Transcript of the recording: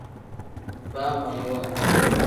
Baamoyiwa.